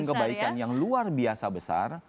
kebaikan yang luar biasa besar